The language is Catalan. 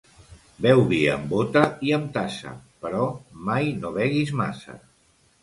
Beu vi amb bota i amb tassa, però mai no beguis massa.